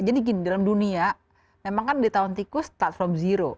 jadi gini dalam dunia memang kan di tahun tikus start from zero